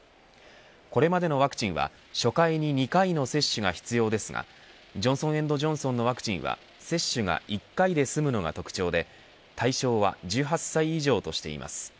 これまでのワクチンは初回に２回の接種が必要ですがジョンソン・エンド・ジョンソンのワクチンは接種が１回で済むのが特徴で対象は１８歳以上としています。